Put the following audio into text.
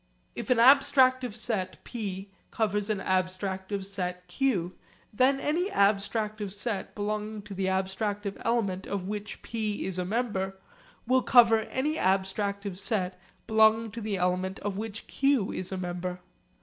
If an abstractive set p covers an abstractive set q, then any abstractive set belonging to the abstractive element of which p is a member will cover any abstractive set belonging to the element of which q is a member.